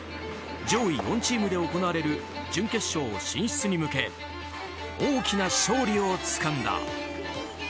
上位４チームで行われる準決勝進出に向け大きな勝利をつかんだ。